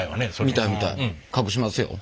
見たい見たい。隠しますよ。